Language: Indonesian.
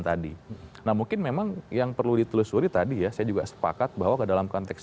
tadi nah mungkin memang yang perlu ditelusuri tadi ya saya juga sepakat bahwa ke dalam konteks